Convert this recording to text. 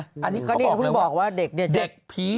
อันนี้เค้าบอกเลยว่าเด็กนี่แบบลกปีดกดล้อมว่าเด็กเด็กฟรี